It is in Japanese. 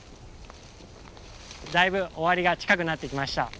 だいぶ終わりが近くなってきました。